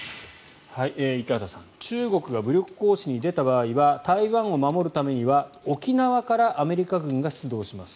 池畑さん、中国が武力行使に出た場合は台湾を守るためには沖縄からアメリカ軍が出動します